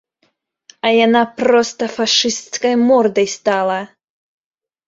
А яна проста фашысцкай мордай стала.